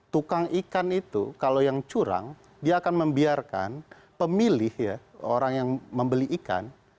tukang ikan itu kalau yang curang dia akan membiarkan pemilih ya orang yang membeli ikan